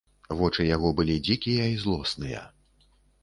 Вочы яго былі дзікія і злосныя.